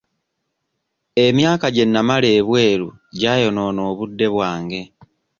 Emyaka gye namala ebweru gyayonoona obudde bwange.